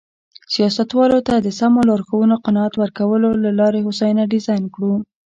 سیاستوالو ته د سمو لارښوونو قناعت ورکولو له لارې هوساینه ډیزاین کړو.